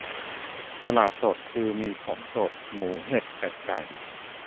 ตลาดสดคือมีของสด หมูเห็ดเป็ดไก่